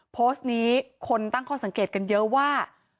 โพสต์นี้คนตั้งข้อสังเกตกันเยอะว่า